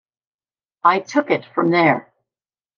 I took it from there.